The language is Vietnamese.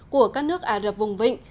của các nước ả rập vùng vịnh